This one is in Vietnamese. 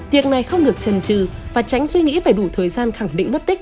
việc này không được trần trừ và tránh suy nghĩ phải đủ thời gian khẳng định mất tích